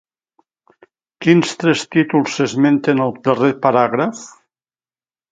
Quins tres títols s'esmenten al darrer paràgraf?